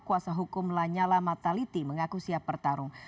kuasa hukum lanyala mataliti mengaku siap bertarung